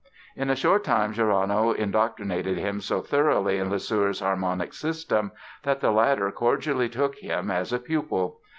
In a short time Gerono indoctrinated him so thoroughly in Lesueur's harmonic system that the latter cordially took him as a pupil.